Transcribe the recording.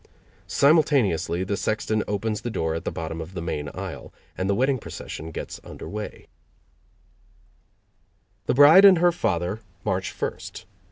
Simultaneously the sexton opens the door at the bottom of the main aisle, and the wedding procession gets under weigh. The bride and her father march first.